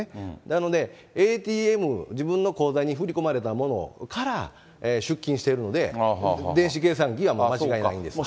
なので、ＡＴＭ、自分の口座に振り込まれたものから、出金しているので、電子計算機には間違いないんです。